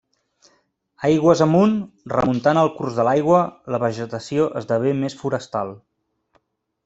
Aigües amunt, remuntant el curs de l’aigua, la vegetació esdevé més forestal.